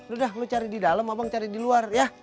udah lu cari di dalam abang cari di luar ya